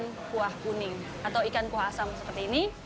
ini adalah ikan kuah kuning atau ikan kuah asam seperti ini